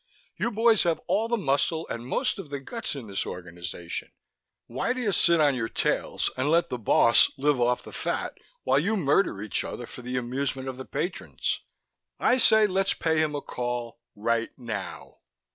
You boys have all the muscle and most of the guts in this organization. Why do you sit on your tails and let the boss live off the fat while you murder each other for the amusement of the patrons? I say let's pay him a call right now.